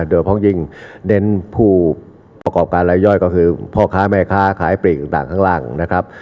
โดยเพราะยิ่งเน้นผู้ประกอบการรายย่อยก็คือพ่อค้าแม่ค้าขายปลีกต่างข้างล่างนะครับ